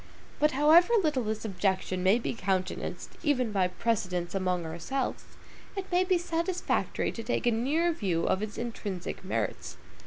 But however little this objection may be countenanced, even by precedents among ourselves, it may be satisfactory to take a nearer view of its intrinsic merits.